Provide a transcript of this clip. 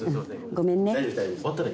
「ごめんね」